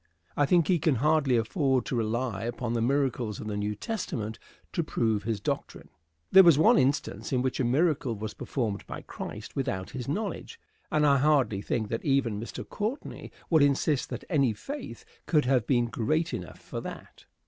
I think he can hardly afford to rely upon the miracles of the New Testament to prove his doctrine. There is one instance in which a miracle was performed by Christ without his knowledge; and I hardly think that even Mr. Courtney would insist that any faith could have been great enough for that.